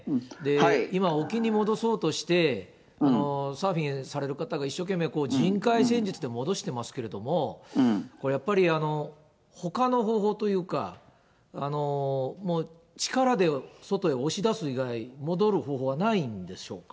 今、沖に戻そうとして、サーフィンされる方が一生懸命、人海戦術で戻してますけれども、これやっぱり、ほかの方法というか、もう、力で外へ押し出す以外、戻る方法はないんでしょうか？